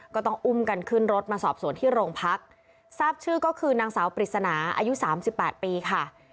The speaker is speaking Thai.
ก็ต้องอุ้มกันขึ้นรถมาสอบสวนที่โรงพักทราบชื่อก็คือนางสาวปริศนาอายุสามสิบแปดปีค่ะ